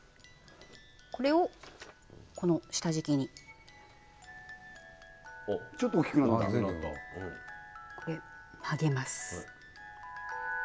これをこの下敷きにおっちょっと大きくなったこれ曲げます